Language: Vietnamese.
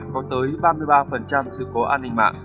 có tới ba mươi ba sự cố an ninh mạng